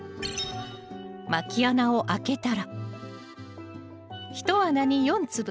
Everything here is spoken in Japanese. まき穴を開けたら１穴に４粒。